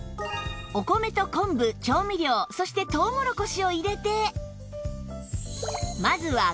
お米と昆布調味料そしてトウモロコシを入れて